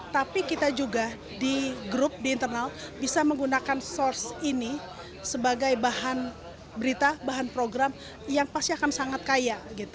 tapi kita juga di grup di internal bisa menggunakan source ini sebagai bahan berita bahan program yang pasti akan sangat kaya